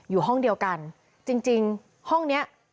อยู่ห้องเดียวกันจริงห้องเนี้ย